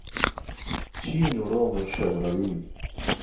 چین و رۆم و شهوڕهوی